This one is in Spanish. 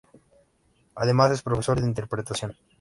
Además, es profesor de interpretación.